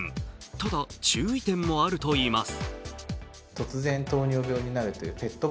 ただ注意点もあるといいます。